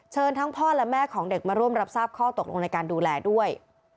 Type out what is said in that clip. ทั้งพ่อและแม่ของเด็กมาร่วมรับทราบข้อตกลงในการดูแลด้วย